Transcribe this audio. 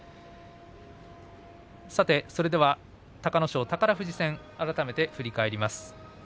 それでは隆の勝、宝富士戦を振り返ります。